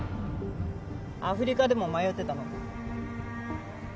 アフリカでも迷ってたの？